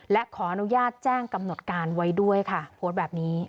และขออนุญาตแจ้งกำหนดการไว้ด้วยค่ะโพสต์แบบนี้